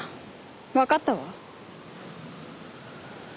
わかったわ。